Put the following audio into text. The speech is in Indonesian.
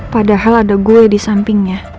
padahal ada gua di sampingnya